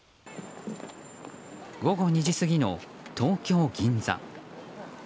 午後２時過ぎの東京・銀座。